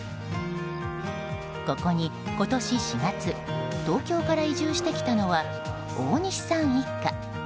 ここに今年４月、東京から移住してきたのは大西さん一家。